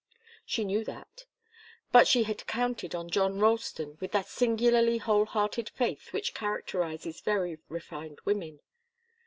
She knew that. But she had counted on John Ralston with that singularly whole hearted faith which characterizes very refined women.